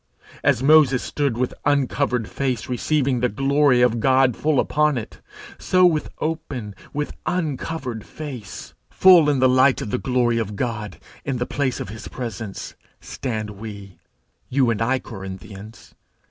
As Moses stood with uncovered face receiving the glory of God full upon it, so with open, with uncovered face, full in the light of the glory of God, in the place of his presence, stand we you and I, Corinthians.